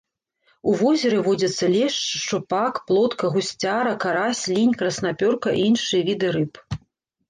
У возеры водзяцца лешч, шчупак, плотка, гусцяра, карась, лінь, краснапёрка і іншыя віды рыб.